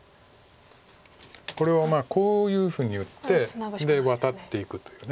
これをこういうふうに打ってワタっていくという。